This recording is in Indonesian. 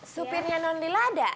supirnya mbak lila ada